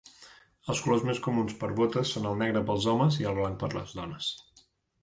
Els colors més comuns per botes són el negre pels homes i el blanc per les dones.